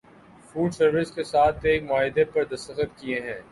food services کے ساتھ ایک معاہدے پر دستخط کیے ہیں